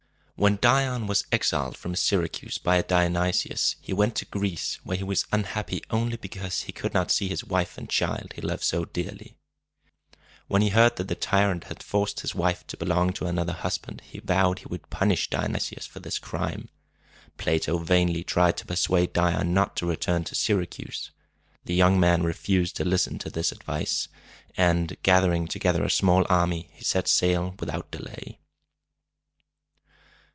When Dion was exiled from Syracuse by Dionysius, he went to Greece, where he was unhappy only because he could not see the wife and child he loved so dearly. When he heard that the tyrant had forced his wife to belong to another husband, he vowed he would punish Dionysius for this crime. Plato vainly tried to persuade Dion not to return to Syracuse. The young man refused to listen to his advice, and, gathering together a small army, he set sail without delay.